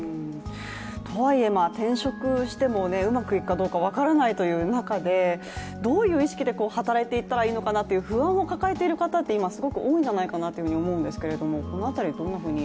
とはいえ転職してもうまくいくかどうか分からないという中でどういう意識で働いていったらいいのかなという不安を抱えている方、今、すごく多いんじゃないかと思うんですが、この辺りはどういうふうに？